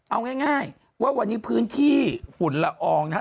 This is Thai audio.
เอาง่ายว่าวันนี้พื้นที่ฝุ่นละอองนะครับ